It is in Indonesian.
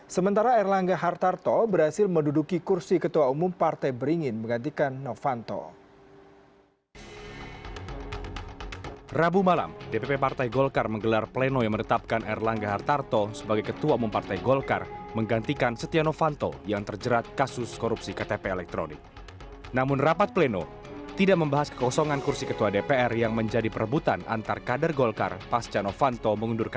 sementara erlangga hartarto berhasil menduduki kursi ketua umum partai beringin menggantikan novanto